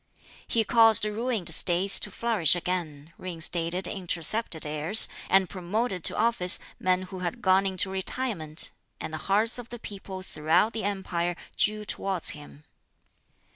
He caused ruined States to flourish again, reinstated intercepted heirs, and promoted to office men who had gone into retirement; and the hearts of the people throughout the empire drew towards him.